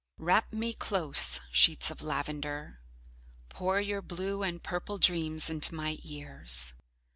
Wrap me close, sheets of lavender. Pour your blue and purple dreams into my ears.